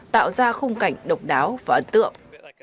tạo ra khung cảnh độc đáo và ấn tượng